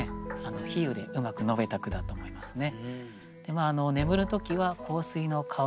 比喩でうまく述べた句だと思いますね。